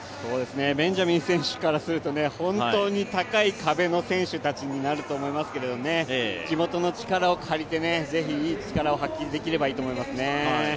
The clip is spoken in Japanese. ベンジャミン選手からすると本当に高い壁の選手たちになると思うんですけど地元の力を借りて、ぜひいい力を発揮できればいいなと思いますね。